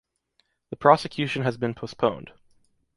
The prosecution has been postponed.